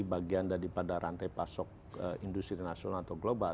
bagian daripada rantai pasok industri nasional atau global